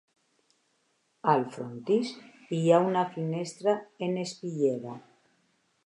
Al frontis hi ha una finestra en espitllera.